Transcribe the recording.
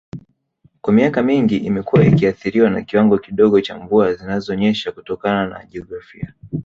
Kwa miaka mingi imekuwa ikiathiriwa na kiwango kidogo cha mvua zinazonyesha kutokana na jiografia